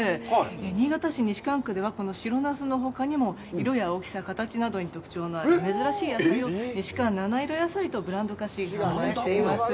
新潟・西蒲区ではこの白ナスのほかにも色や大きさ、形などに特徴のある珍しい野菜を「にしかんなないろ野菜」とブランド化し、販売しています。